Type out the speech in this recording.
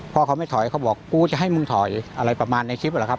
พ่อเขาไม่ถอยเขาบอกกูจะให้มึงถอยอะไรประมาณในคลิปเหรอครับ